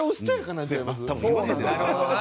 なるほどな。